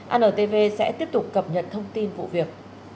antv sẽ tiếp tục cập nhật thông tin vụ việc